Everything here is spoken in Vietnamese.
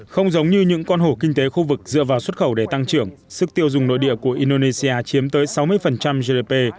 không giống như những con hổ kinh tế khu vực dựa vào xuất khẩu để tăng trưởng sức tiêu dùng nội địa của indonesia chiếm tới sáu mươi gdp